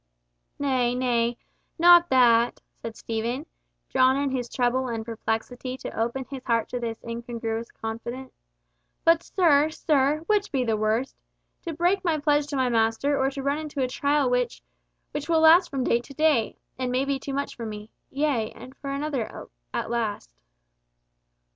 "Nay, nay—not that," said Stephen, drawn in his trouble and perplexity to open his heart to this incongruous confidant, "but, sir, sir, which be the worst, to break my pledge to my master, or to run into a trial which—which will last from day to day, and may be too much for me—yea, and for another—at last?"